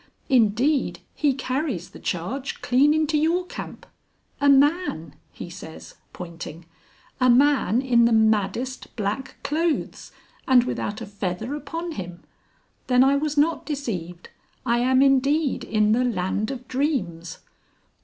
Indeed, he carries the charge clean into your camp. "A man!" he says, pointing. "A man in the maddest black clothes and without a feather upon him. Then I was not deceived. I am indeed in the Land of Dreams!"